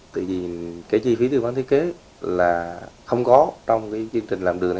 tại vì cái chi phí thư vấn thiết kế là không có trong cái chương trình làm đường này